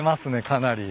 かなり。